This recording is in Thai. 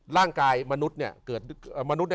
ล่างกายมนุษย์เนี่ย